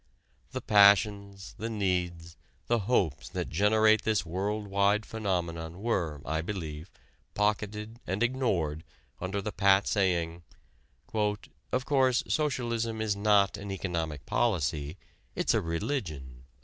The passions, the needs, the hopes that generate this world wide phenomenon were, I believe, pocketed and ignored under the pat saying: "Of course, socialism is not an economic policy, it's a religion."